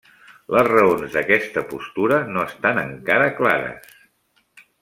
Les raons d'aquesta postura no estan encara clares.